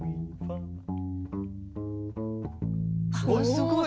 すごい。